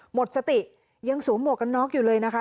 หมดสติยังสวมหมวกกันน็อกอยู่เลยนะคะ